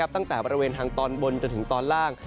ตั้งแต่บริเวณทางตอนบนจนถึงตอนล่าง